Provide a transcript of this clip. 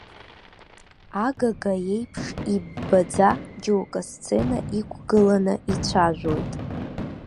Агага еиԥш иббаӡа џьоук асцена иқәгыланы ицәажәоит.